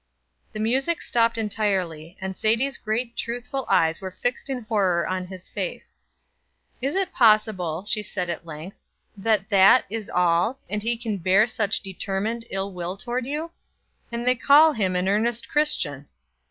The music stopped entirely, and Sadie's great truthful eyes were fixed in horror on his face. "Is it possible," she said at length, "that that is all, and he can bear such determined ill will toward you? and they call him an earnest Christian!"